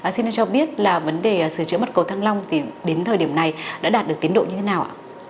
xin anh cho biết là vấn đề sửa chữa mặt cầu thăng long đến thời điểm này đã đạt được tiến độ như thế nào ạ